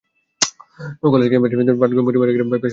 College ক্যাম্পাসটি পাটগ্রাম-বুড়িমাড়ি bypass সড়কের পার্শ্বে অবস্থিত।